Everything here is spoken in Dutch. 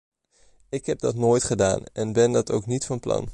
Ik heb dat nooit gedaan en ben het ook niet van plan.